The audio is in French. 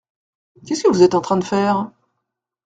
Qu’est-ce que vous êtes en train de faire ?